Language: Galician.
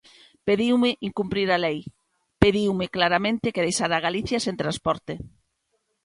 Pediume incumprir a lei, pediume claramente que deixara a Galicia sen transporte.